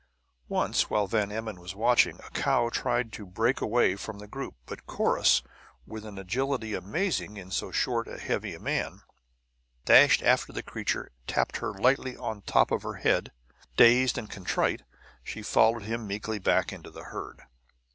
Once while Van Emmon was watching, a cow tried to break away from the group; but Corrus, with an agility amazing in so short and heavy a man, dashed after the creature and tapped her lightly on the top of her head. Dazed and contrite, she followed him meekly back into the herd.